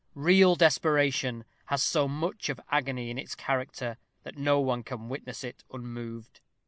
Real desperation has so much of agony in its character, that no one can witness it unmoved.